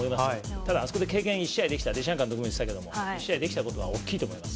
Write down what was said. ただあそこ経験、１試合できたデシャン監督も言ってましたけど１試合できたことは大きいと思います。